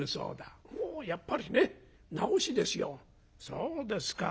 そうですか。